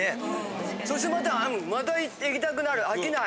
そしてまたいきたくなる飽きない。